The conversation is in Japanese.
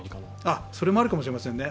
それもあるかもしれませんね。